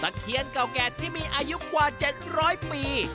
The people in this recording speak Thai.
เคียนเก่าแก่ที่มีอายุกว่า๗๐๐ปี